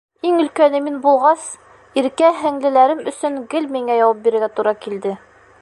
Иң өлкәне мин булғас, иркә һеңлеләрем өсөн гел миңә яуап бирергә тура килде.